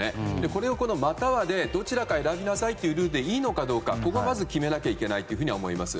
これをまたはでどちらか選びなさいというルールでいいのかどうか、ここをまず決めなきゃいけないと思います。